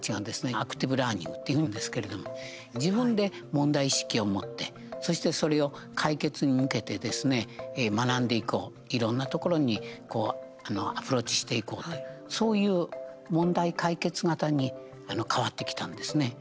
アクティブ・ラーニングっていうんですけれども自分で問題意識を持ってそしてそれを解決に向けてですね学んでいこう、いろんなところにアプローチしていこうとそういう問題解決型に変わってきたんですね。